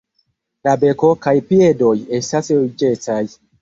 La beko kaj piedoj estas ruĝecaj.